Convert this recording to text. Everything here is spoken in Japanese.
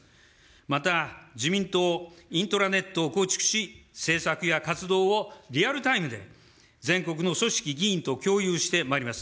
また、自民党イントラネットを構築し、政策や活動をリアルタイムで全国の組織議員と共有してまいります。